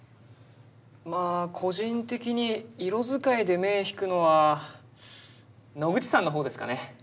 まあ個人的に色使いで目ぇ引くのは野口さんの方ですかね。